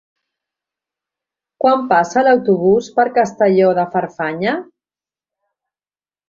Quan passa l'autobús per Castelló de Farfanya?